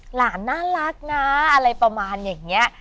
หลานน่ารักนะอะไรประมาณอย่างนี้